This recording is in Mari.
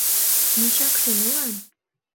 — Мешакше молан?